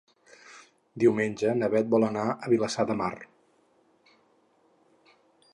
Diumenge na Beth vol anar a Vilassar de Mar.